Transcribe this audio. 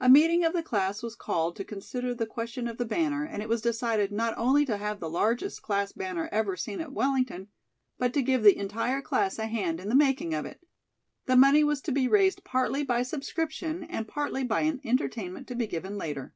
A meeting of the class was called to consider the question of the banner and it was decided not only to have the largest class banner ever seen at Wellington, but to give the entire class a hand in the making of it. The money was to be raised partly by subscription and partly by an entertainment to be given later.